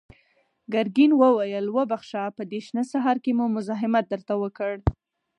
ګرګين وويل: وبخښه، په دې شنه سهار کې مو مزاحمت درته وکړ.